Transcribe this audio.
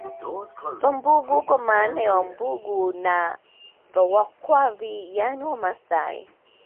Vambughu kwa maana ya Wambugu na Vakwavi yani Wamasai